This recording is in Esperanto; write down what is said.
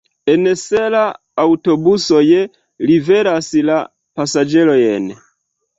En Serra aŭtobusoj liveras la pasaĝerojn.